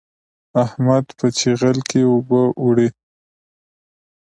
احمد په چيغل کې اوبه وړي.